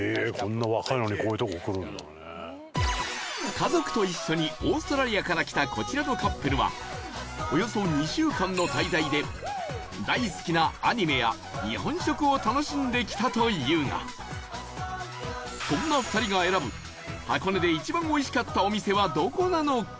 家族と一緒にオーストラリアから来たこちらのカップルはおよそ２週間の滞在で大好きなアニメや日本食を楽しんできたというがそんな２人が選ぶ箱根で一番おいしかったお店はどこなのか？